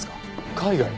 海外？